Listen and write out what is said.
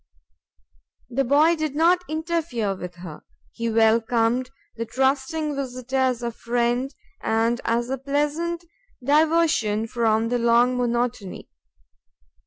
The boy did not interfere with her; he welcomed the trusting visitor as a friend and as a pleasant diversion from the long monotony.